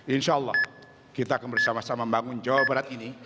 insya allah kita akan bersama sama membangun jawa barat ini